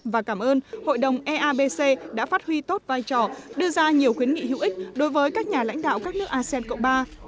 và cảm ơn hội đồng eabc đã phát huy tốt vai trò đưa ra nhiều khuyến nghị hữu ích đối với các nhà lãnh đạo các nước asean cộng ba